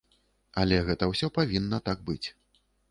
Але гэта ўсё павінна так быць.